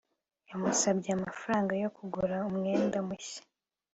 Yamusabye amafaranga yo kugura umwenda mushya